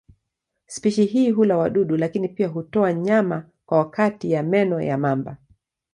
Spishi hii hula wadudu lakini pia hutoa nyama kwa kati ya meno ya mamba.